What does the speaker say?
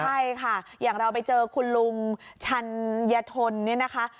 ใช่ค่ะอย่างเราไปเจอคุณลุงชัญญทนเนี่ยนะคะ